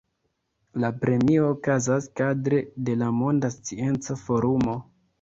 La premio okazas kadre de la Monda Scienca Forumo.